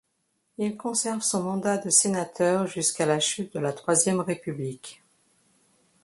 Il conserve son mandat de sénateur jusqu'à la chute de la Troisième République.